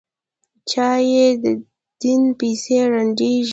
چا یې دیدن پسې ړندېږي.